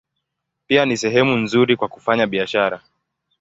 Pia ni sehemu nzuri kwa kufanya biashara.